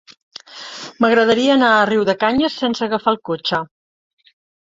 M'agradaria anar a Riudecanyes sense agafar el cotxe.